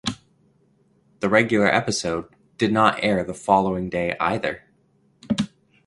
The regular episode did not air the following day either.